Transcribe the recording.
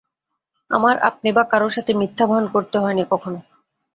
আমার আপনি বা কারো সাথে মিথ্যা ভান করতে হয়নি কখনো।